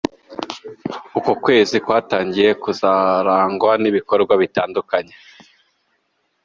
Uku kwezi kwatangijwe kuzarangwa n’ibikorwa bitandukanye.